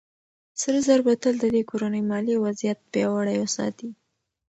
سره زر به تل د دې کورنۍ مالي وضعيت پياوړی وساتي.